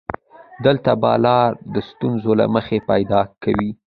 دلته به لاره د ستورو له مخې پيدا کوې.